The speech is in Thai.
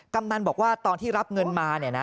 กำนันบอกว่าตอนที่รับเงินมา